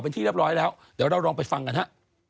เป็นที่เรียบร้อยแล้วเดี๋ยวเราลองไปฟังกันฮะ